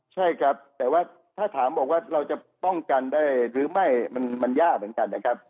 ใช่ครับแต่ว่าถ้าถามบอกว่าเราจะป้องกันได้หรือไม่มันยากเหมือนกันนะครับ